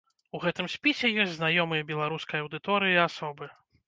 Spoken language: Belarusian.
У гэтым спісе ёсць знаёмыя беларускай аўдыторыі асобы.